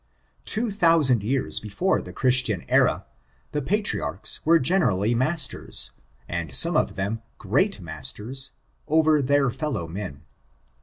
Two thousand years before the Christian era, the patriarchs were generally masters, and some of them great masters, over their fellow men.